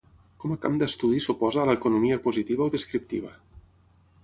Com a camp d'estudi s'oposa a l'economia positiva o descriptiva.